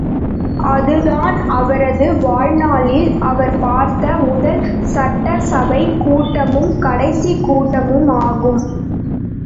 அதுதான் அவரது வாழ்நாளில் அவர் பார்த்த முதல் சட்டசபைக் கூட்டமும் கடைசிக் கூட்டமும் ஆகும்.